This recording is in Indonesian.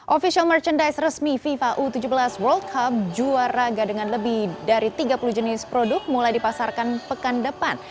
official merchandise resmi fifa u tujuh belas world cup juara raga dengan lebih dari tiga puluh jenis produk mulai dipasarkan pekan depan